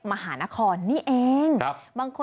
ไม่รู้จัก